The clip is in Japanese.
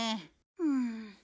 うん。